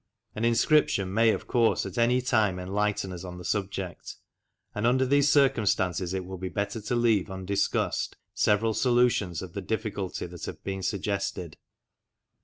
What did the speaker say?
An inscription may, of course, at any time enlighten us on the subject, and under these circumstances it will THE ROMANS IN LANCASHIRE 51 be better to leave undiscussed several solutions of the difficulty that have been suggested.